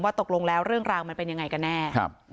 ตกลงแล้วเรื่องราวมันเป็นยังไงกันแน่